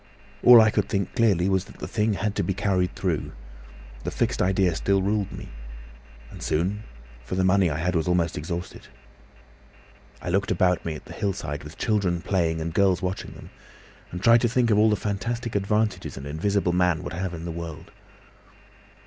"All I could think clearly was that the thing had to be carried through; the fixed idea still ruled me. And soon, for the money I had was almost exhausted. I looked about me at the hillside, with children playing and girls watching them, and tried to think of all the fantastic advantages an invisible man would have in the world.